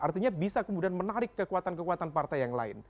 artinya bisa kemudian menarik kekuatan kekuatan partai yang lain